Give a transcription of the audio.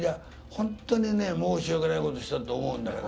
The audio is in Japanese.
本当にね申し訳ないことしたと思うんだけど。